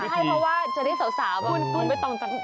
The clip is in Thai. ใช่เพราะว่าจะได้สาวแบบคุณไม่ต้อง